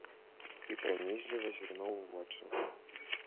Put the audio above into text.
І пранізліва зірнуў у вочы.